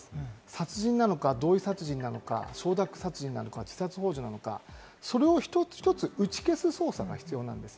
殺人なのか、同意殺人なのか、承諾殺人なのか、自殺ほう助なのか、それを一つ一つ打ち消す捜査が必要です。